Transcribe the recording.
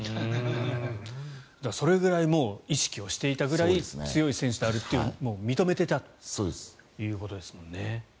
それぐらい意識をしていたぐらい強い選手であると認めていたということですもんね。